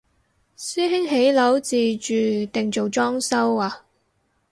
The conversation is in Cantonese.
師兄起樓自住定做裝修啊？